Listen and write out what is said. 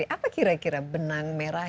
apa kira kira benang merah